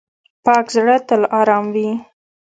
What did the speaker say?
پاک زړه تل آرام وي.